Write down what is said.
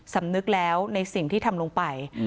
สำนึกแล้วในสิ่งที่ทำลงไป